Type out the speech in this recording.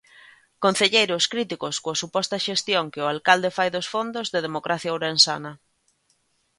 Concelleiros críticos coa suposta xestión que o alcalde fai dos fondos de Democracia Ourensana.